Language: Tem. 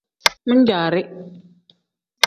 Min-jaari.